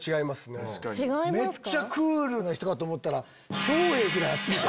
めっちゃクールな人かと思ったら。